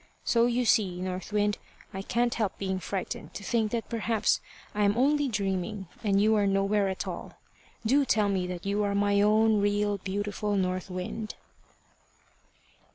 So you see, North Wind, I can't help being frightened to think that perhaps I am only dreaming, and you are nowhere at all. Do tell me that you are my own, real, beautiful North Wind."